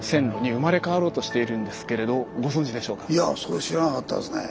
いやそれ知らなかったですね。